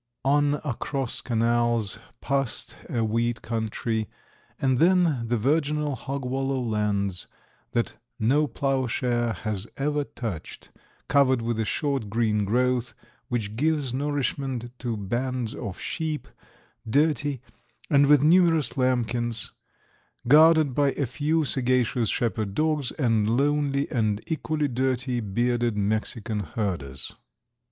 On across canals, past a wheat country, and then the virginal hog wallow lands that no plowshare has ever touched, covered with a short green growth which gives nourishment to bands of sheep, dirty, and with numerous lambkins, guarded by a few sagacious shepherd dogs and lonely, and equally dirty, bearded Mexican herders.